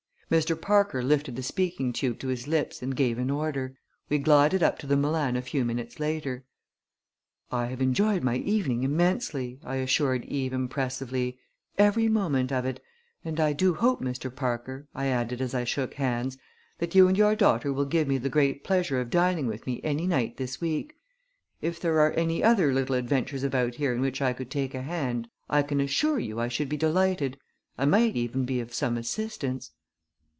Mr. Parker lifted the speaking tube to his lips and gave an order. We glided up to the Milan a few minutes later. "I have enjoyed my evening immensely," I assured Eve impressively, "every moment of it; and I do hope, Mr. Parker," I added as I shook hands, "that you and your daughter will give me the great pleasure of dining with me any night this week. If there are any other little adventures about here in which I could take a hand I can assure you I should be delighted. I might even be of some assistance."